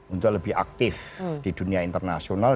untuk lebih aktif di dunia internasional